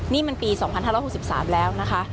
นี่มันปี๒๕๖๓แล้วนะคะ